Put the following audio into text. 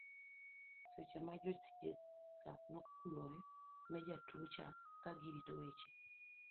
seche ma jochieth ka nokulore ne jatua cha kagirito weche